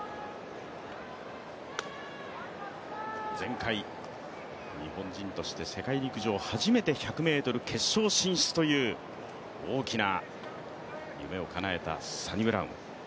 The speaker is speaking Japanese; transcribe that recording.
前回、日本人として世界陸上男子１００ｍで初めて決勝に進出という大きな夢をかなえたサニブラウン。